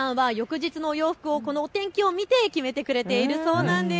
みはるさんは翌日のお洋服をこのお天気を見て決めているそうなんです。